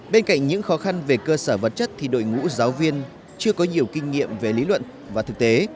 bên cạnh những khó khăn về cơ sở vật chất thì đội ngũ giáo viên chưa có nhiều kinh nghiệm về lý luận và thực tế